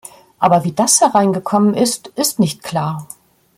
Aber wie das hereingekommen ist, ist nicht klar.